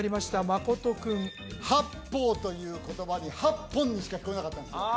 真君「八方」という言葉に「八本」にしか聞こえなかったんですよ